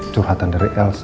curhatan dari elsa